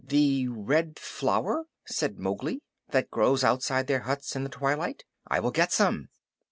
"The Red Flower?" said Mowgli. "That grows outside their huts in the twilight. I will get some."